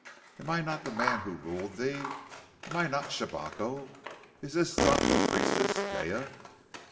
Am I not the man who ruled thee? Am I not Shabako? Is this not the priestess, Taia?"